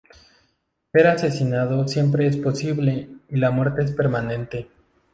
Ser asesinado siempre es posible, y la muerte es permanente.